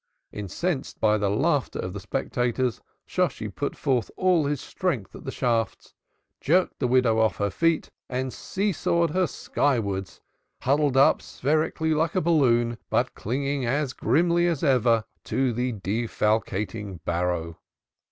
Incensed by the laughter of the spectators, Shosshi put forth all his strength at the shafts, jerked the widow off her feet and see sawed her sky wards, huddled up spherically like a balloon, but clinging as grimly as ever to the defalcating barrow.